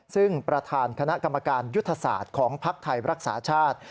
ซึ่งประธานคณะกรรมการยุทธศาสตร์ของภักดิ์ไทยรักษาชาติ